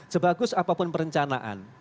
sebagus apapun perencanaan